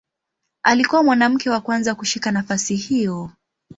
Alikuwa mwanamke wa kwanza kushika nafasi hiyo.